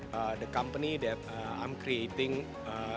perusahaan yang saya pembina